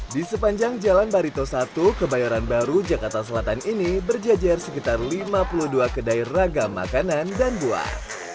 di sepanjang jalan barito satu kebayoran baru jakarta selatan ini berjajar sekitar lima puluh dua kedai ragam makanan dan buah